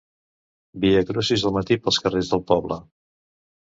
Viacrucis al matí pels carrers del poble.